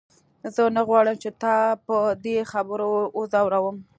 زه نه غواړم چې تا په دې خبره وځوروم.